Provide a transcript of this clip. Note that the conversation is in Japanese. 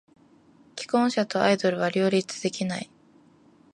既婚者とアイドルは両立できない。